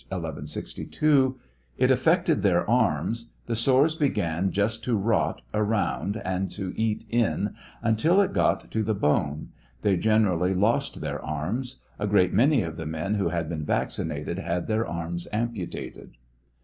1162 :) It affected their arms ; the sores began just to rot around and to eat in until it got to the bone ; they generally lost their arms ; a great many of the men who had been vaccinated had their arms amputated.